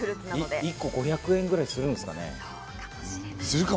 １個５００円くらいするんですかね。